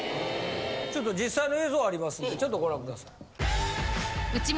ちょっと実際の映像ありますんでちょっとご覧ください。